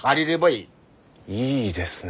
いいですね。